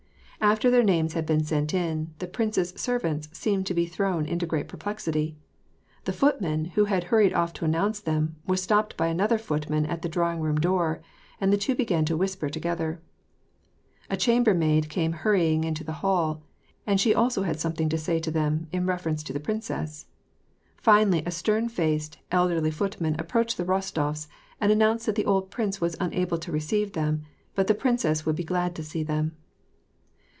After their names had been sent in, the prince's servants seemed to be thrown into great perplexity. The foot man, who had hurried off to announce them, was stopped by another footman at the drawing room door, and the two began to whisper together. A chambermaid came hurrying into the hall, and she also had something to say to them, in reference to the princess. Finally a stem faced, elderly footman approached the ErOstofs and announced that the old prince was unable to receive them, but the princess would be glad to see them.